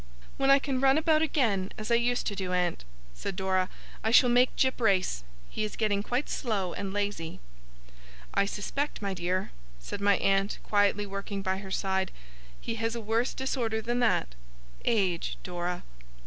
'When I can run about again, as I used to do, aunt,' said Dora, 'I shall make Jip race. He is getting quite slow and lazy.' 'I suspect, my dear,' said my aunt quietly working by her side, 'he has a worse disorder than that. Age, Dora.